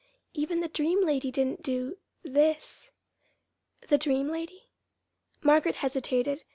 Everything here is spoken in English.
Even the dream lady didn't do this." "The dream lady?" Margaret hesitated.